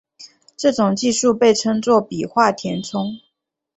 这种技术被称作笔画填充。